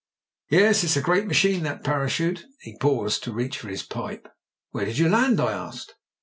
Yes, it's a great machine that parachute." He paused to reach for his pipe. "Where did you land?" I asked.